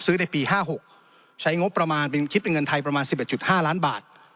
ในปี๕๖ใช้งบประมาณคิดเป็นเงินไทยประมาณ๑๑๕ล้านบาท